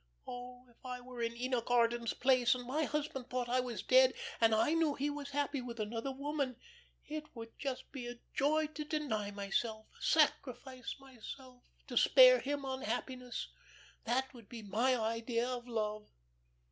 Oh, if I were in Enoch Arden's place, and my husband thought I was dead, and I knew he was happy with another woman, it would just be a joy to deny myself, sacrifice myself to spare him unhappiness. That would be my idea of love.